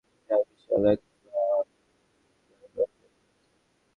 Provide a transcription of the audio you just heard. হিদির ডোবা এলাকায় গিয়ে দেখা যায়, বিশাল এলাকাজুড়ে ধানগাছ নষ্ট হয়ে পড়ে আছে।